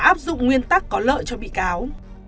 áp dụng nguyên tắc có lợi cho bị cáo